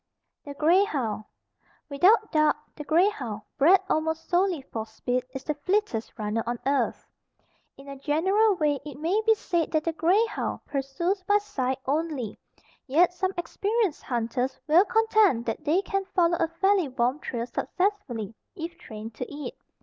THE GREY HOUND. Without doubt, the grey hound, bred almost solely for speed, is the fleetest runner on earth. In a general way it may be said that the grey hound pursues by sight only, yet some experienced hunters will contend that they can follow a fairly warm trail successfully, if trained to it.